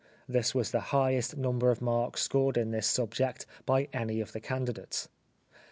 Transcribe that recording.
(This was the highest number of marks scored in this subject by any of the candidates.)